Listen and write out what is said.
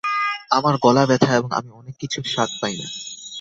আমার গলা ব্যথা এবং আমি অনেক কিছুর স্বাদ পাই না।